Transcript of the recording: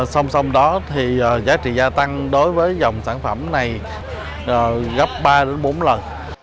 xong xong đó thì giá trị gia tăng đối với dòng sản phẩm này gấp ba bốn lần